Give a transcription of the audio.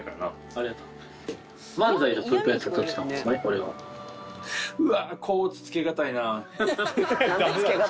ありがとう！